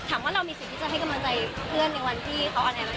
ถามว่าเรามีสิทธิ์ที่จะให้กำลังใจเพื่อนในวันที่เขาออนไลน์